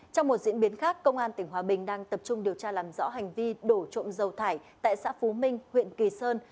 trong một diễn biến khác công an tỉnh hòa bình đang tập trung điều tra làm rõ hành vi đổ trộm dầu thải tại xã phú minh huyện kỳ sơn